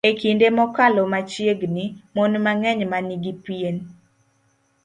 E kinde mokalo machiegni, mon mang'eny ma nigi pien